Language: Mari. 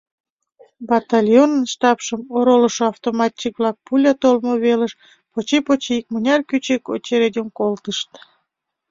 Батальонын штабшым оролышо автоматчик-влак пуля толмо велыш поче-поче икмыняр кӱчык очередьым колтышт.